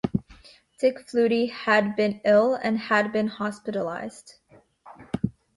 Dick Flutie had been ill and had been hospitalized.